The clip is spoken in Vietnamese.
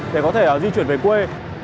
để có thể di chuyển về quê